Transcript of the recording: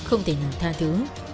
không thể nào tha thứ